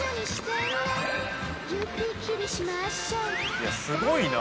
いやすごいな。